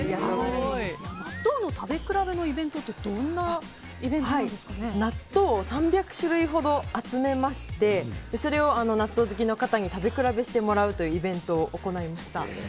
納豆の食べ比べのイベントって納豆を３００種類ほど集めましてそれを納豆好きの方に食べ比べしてもらうイベントを行いました。